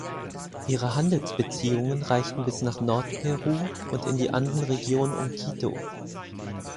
Ihre Handelsbeziehungen reichten bis nach Nordperu und in die Andenregion um Quito.